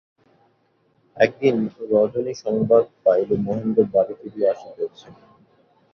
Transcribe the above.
একদিন রজনী সংবাদ পাইল মহেন্দ্র বাড়ি ফিরিয়া আসিতেছে।